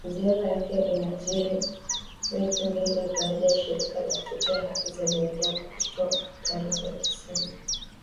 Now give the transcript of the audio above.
Ziara yake inajiri wiki mbili baada ya shirika la kutetea haki za binadamu kuto taarifa ikisema